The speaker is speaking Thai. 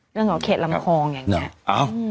เรื่องของเขตลำคองอย่างงี้